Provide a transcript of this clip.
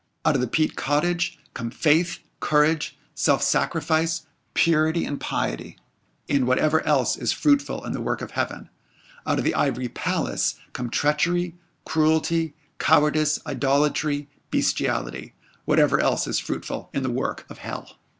Out of the peat cottage come faith, courage, self sacrifice, purity, and piety, and whatever else is fruitful in the work of Heaven; out of the ivory palace come treachery, cruelty, cowardice, idolatry, bestiality, whatever else is fruitful in the work of Hell.